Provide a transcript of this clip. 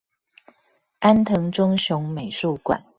安藤忠雄美術館